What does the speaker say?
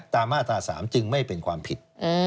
ตามมาตรา๓จึงไม่เป็นความผิด